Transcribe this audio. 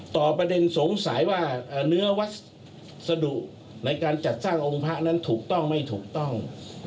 ประเด็นสงสัยว่าเนื้อวัสดุในการจัดสร้างองค์พระนั้นถูกต้องไม่ถูกต้อง